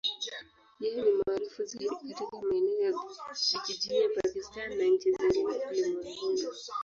Yeye ni maarufu zaidi katika maeneo ya vijijini ya Pakistan na nchi zingine ulimwenguni.